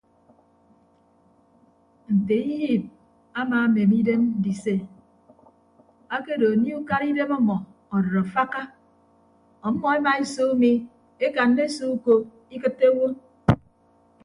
Nte iyiip amaamen idem ndise akedo anie ukaraidem ọmọ ọdʌd afakka ọmmọ emaese umi ekanna ese uko ikịtte owo.